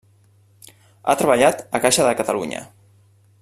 Ha treballat a Caixa de Catalunya.